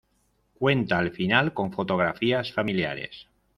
Cuenta al final con fotografías familiares.